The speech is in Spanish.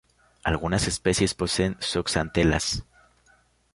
Algunas especies poseen zooxantelas.